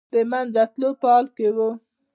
د منځه تللو په حال کې و.